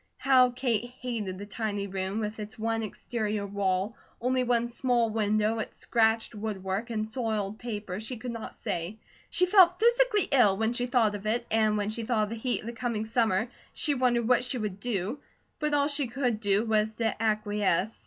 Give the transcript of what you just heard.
How Kate hated the tiny room with its one exterior wall, only one small window, its scratched woodwork, and soiled paper, she could not say. She felt physically ill when she thought of it, and when she thought of the heat of the coming summer, she wondered what she would do; but all she could do was to acquiesce.